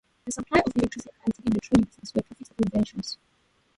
The supply of electricity and lighting and the trolley business were profitable ventures.